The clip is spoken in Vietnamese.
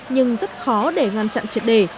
nhưng rất khó để ngăn chặn triệt đề